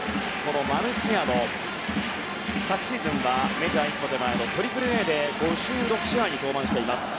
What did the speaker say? マルシアノ、昨シーズンはメジャー一歩手前の３Ａで５６試合に登板しています。